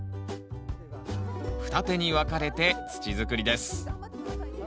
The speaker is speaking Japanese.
二手に分かれて土づくりです